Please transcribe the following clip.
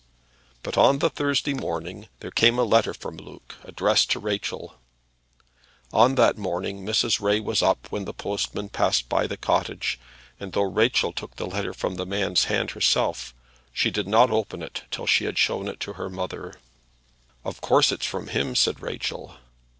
But on the Thursday morning there came a letter from Luke addressed to Rachel. On that morning Mrs. Ray was up when the postman passed by the cottage, and though Rachel took the letter from the man's hand herself, she did not open it till she had shown it to her mother. "Of course it's from him," said Rachel.